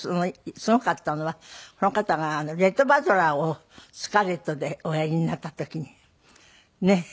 すごかったのはこの方がレット・バトラーを『スカーレット』でおやりになった時にねっ。